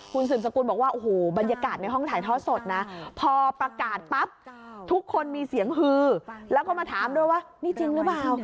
คุณสืบสกุลบอกว่าโอ้โหบรรยากาศในห้องถ่ายทอดสดนะพอประกาศปั๊บทุกคนมีเสียงฮือแล้วก็มาถามด้วยว่านี่จริงหรือเปล่า